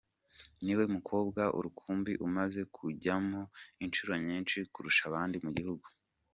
Ni we mukobwa rukumbi umaze kujyamo inshuro nyinshi kurusha abandi mu gihugu.